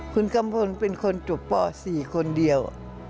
คุณกัมพลเป็นคนจบป๔คนเดียว